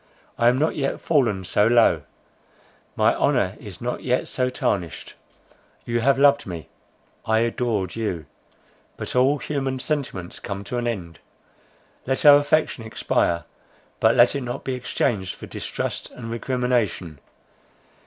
I am not yet fallen so low; my honour is not yet so tarnished. You have loved me; I adored you. But all human sentiments come to an end. Let our affection expire—but let it not be exchanged for distrust and recrimination.